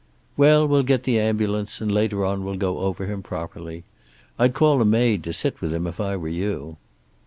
"Well, we'll get the ambulance, and later on we'll go over him properly. I'd call a maid to sit with him, if I were you."